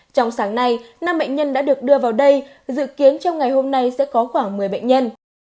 trong sáng nay năm bệnh nhân đã được đưa vào đây dự kiến trong ngày hôm nay sẽ có khoảng một mươi bệnh nhân